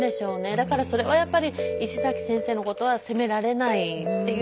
だからそれはやっぱり石崎先生のことは責められないっていうのは分かります。